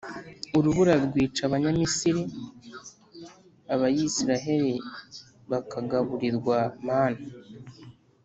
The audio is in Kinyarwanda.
Urubura rwica Abanyamisiri; Abayisraheli bakagaburirwa manu